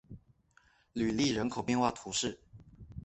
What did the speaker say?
吕利人口变化图示